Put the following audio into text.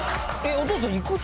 お義父さんいくつ？